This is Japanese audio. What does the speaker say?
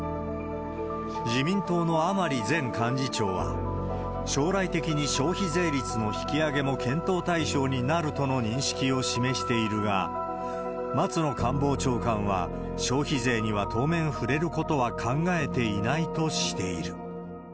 自民党の甘利前幹事長は、将来的に消費税率の引き上げも検討対象になるとの認識を示しているが、松野官房長官は、消費税には当面触れることは考えていないとしている。